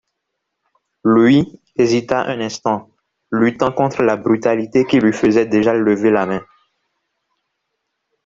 Lui, hésita un instant, luttant contre la brutalité qui lui faisait déjà lever la main.